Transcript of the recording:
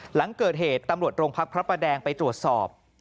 หลังเกิดเหตุตำรวจโรงพักพระประแดงไปตรวจสอบ